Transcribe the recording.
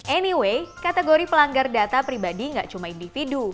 anyway kategori pelanggar data pribadi nggak cuma individu